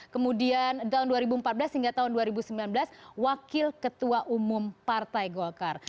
kemudian tahun dua ribu empat belas hingga tahun dua ribu sembilan belas wakil ketua umum partai golkar